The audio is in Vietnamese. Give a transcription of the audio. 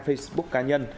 facebook cá nhân